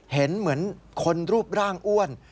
เห็นเหมือนคนรูปร่างอ้วน